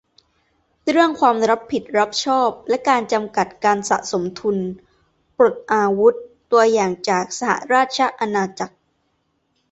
- เรื่องความรับผิดรับชอบและการจำกัดการสะสมทุน-"ปลดอาวุธ" ตัวอย่างจากสหราชอาณาจักร